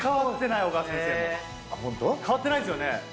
ホント？変わってないっすよね？